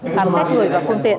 phám xét người và phương tiện